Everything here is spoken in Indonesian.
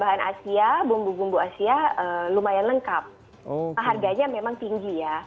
bahan asia bumbu bumbu asia lumayan lengkap harganya memang tinggi ya